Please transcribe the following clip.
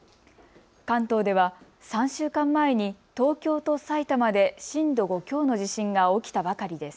関東では３週間前に東京と埼玉で震度５強の地震が起きたばかりです。